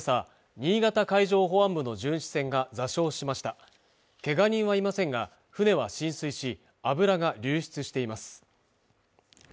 新潟海上保安部の巡視船が座礁しましたけが人はいませんが船は浸水し油が流出しています